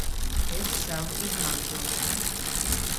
Es savu izmantošu.